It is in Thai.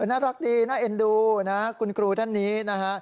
น่ารักดีน่าเอ็นดูนะคุณครูท่านนี้นะฮะ